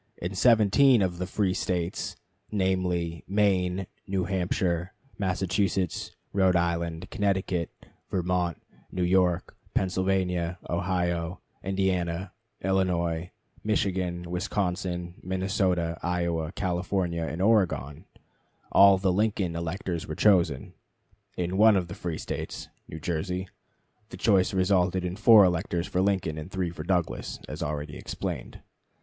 In seventeen of the free States namely, Maine, New Hampshire, Massachusetts, Rhode Island, Connecticut, Vermont, New York, Pennsylvania, Ohio, Indiana, Illinois, Michigan, Wisconsin, Minnesota, Iowa, California, and Oregon all the Lincoln electors were chosen. In one of the free States (New Jersey) the choice resulted in 4 electors for Lincoln and 3 for Douglas, as already explained.